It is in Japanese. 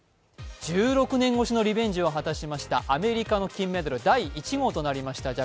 １６年越しのリベンジを果たしましたアメリカの金メダル第１号となりました